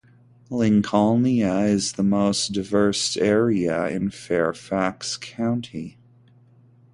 Lincolnia is the most diverse area in Fairfax County.